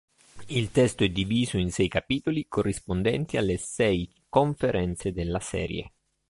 Il testo è diviso in sei capitoli, corrispondenti alle sei conferenze della serie.